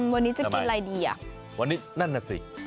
วันนี้จะกินไรดี